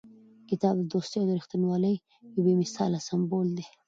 کتاب د دوستۍ او رښتینولۍ یو بې مثاله سمبول دی.